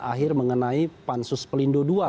akhir mengenai pansus pelindung dua